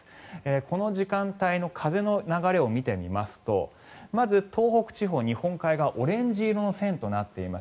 この時間帯の風の流れを見てみますとまず、東北地方日本海側オレンジ色の線となっています。